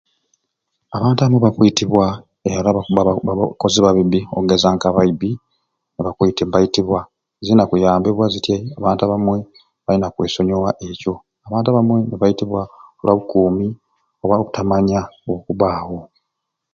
Abantu abo bakwitibwa era babba bakozi ba bibbi okugeza nka abaibbi abakweite baitibwa ziyinza kuyambibwa zitya abantu abamwe balina kwesonyiwa ekyo abantu abamwe baitibwa lwa bukuumi, lwa butamanya okubbaawo.